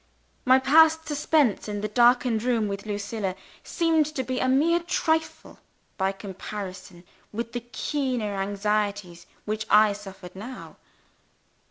My past suspense in the darkened room with Lucilla seemed to be a mere trifle by comparison with the keener anxieties which I suffered now.